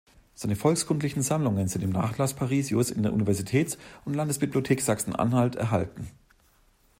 Seine volkskundlichen Sammlungen sind im "Nachlaß Parisius" in der Universitäts- und Landesbibliothek Sachsen-Anhalt erhalten.